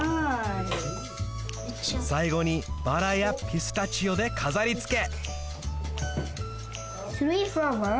さいごにバラやピスタチオでかざりつけ！